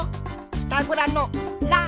ピタゴラの「ラ」。